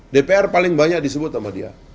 dpr paling banyak disebut sama dia